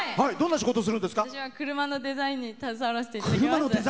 私は車のデザインに携わらせていただきます。